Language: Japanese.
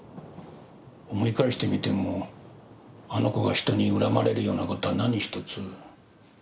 思い返してみてもあの子が人に恨まれるような事は何一つ。